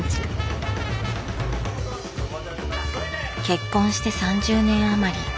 結婚して３０年余り。